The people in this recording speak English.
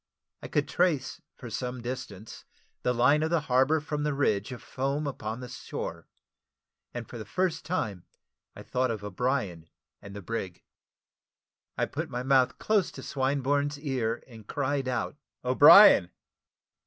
I could trace, for some distance, the line of the harbour, from the ridge of foam upon the shore; and for the first time I thought of O'Brien and the brig. I put my mouth close to Swinburne's ear, and cried out, "O'Brien!"